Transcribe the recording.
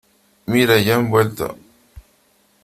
Mira , ya han vuelto .